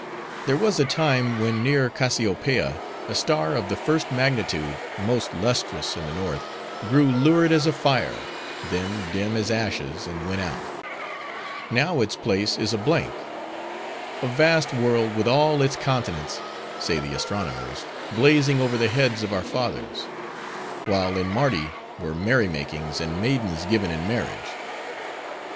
"'There was a time, when near Cassiopeia, a star of the first magnitude, most lustrous in the North, grew lurid as a fire, then dim as ashes, and went out. Now, its place is a blank. A vast world, with all its continents, say the astronomers, blazing over the heads of our fathers; while in Mardi were merry makings, and maidens given in marriage.